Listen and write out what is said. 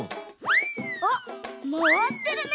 あっまわってるね！